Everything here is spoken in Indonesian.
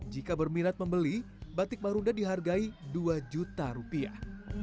jika berminat membeli batik marunda dihargai dua juta rupiah